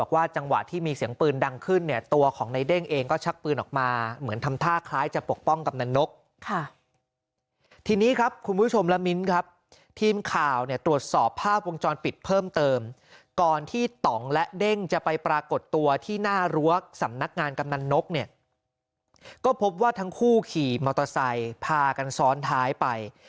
ขี่มอเตอร์ไซค์พากันซ้อนท้ายไป